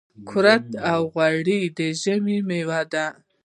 کورت او غوړي د ژمي مېوه ده .